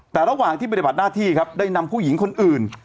แต่ระหว่างที่ปฏิบัติหน้าที่ครับได้นำผู้หญิงคนอื่น